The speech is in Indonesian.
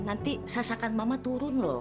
nanti sasakan mama turun loh